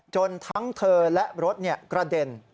ทั้งเธอและรถกระเด็น